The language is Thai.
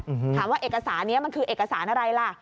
ถามว่าเอกสารนี้มันคือเอกสารอะไรล่ะ